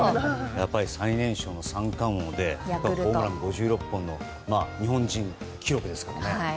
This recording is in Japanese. やっぱり最年少の三冠王でホームラン５６本の日本人記録ですから。